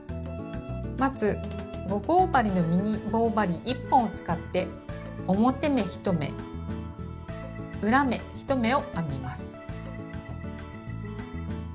まず５号針のミニ棒針１本を使って表目１目裏目１目を編みます。